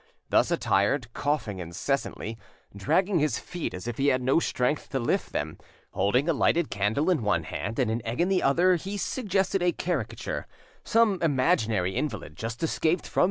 Thus attired, coughing incessantly, dragging his feet as if he had no strength to lift them, holding a lighted candle in one hand and an egg in the other, he suggested a caricature some imaginary invalid just escaped from M.